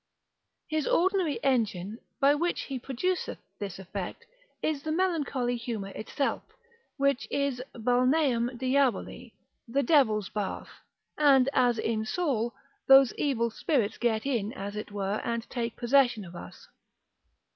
His ordinary engine by which he produceth this effect, is the melancholy humour itself, which is balneum diaboli, the devil's bath; and as in Saul, those evil spirits get in as it were, and take possession of us.